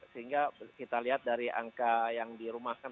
sehingga kita lihat dari angka yang dirumahkan